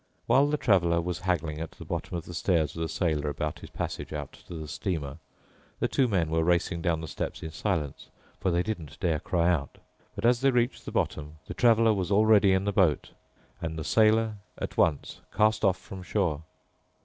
While the Traveler was haggling at the bottom of the stairs with a sailor about his passage out to the steamer, the two men were racing down the steps in silence, for they didn't dare cry out. But as they reached the bottom, the Traveler was already in the boat, and the sailor at once cast off from shore.